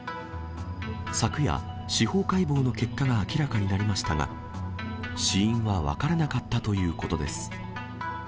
昨夜、司法解剖の結果が明らかになりましたが、死因は分からなかったということです。